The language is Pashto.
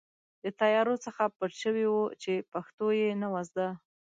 د طیارو څخه پټ شوي وو چې پښتو یې نه وه زده.